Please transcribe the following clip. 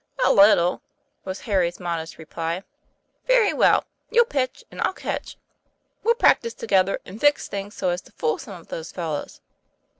"A little," was Harry's modest reply. "Very well; you'll pitch and I'll catch. We'll practise together and fix things so as to fool some of those fellows.